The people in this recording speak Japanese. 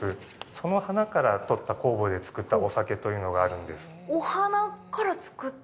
その花からとった酵母で造ったお酒というのがあるんです。